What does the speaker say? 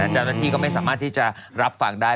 เจ้าหน้าที่ก็ไม่สามารถที่จะรับฟังได้